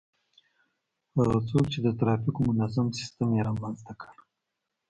هغه څوک چي د ترافیکو منظم سیستم يې رامنځته کړ